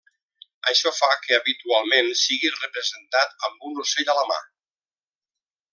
Això fa que habitualment sigui representat amb un ocell a la mà.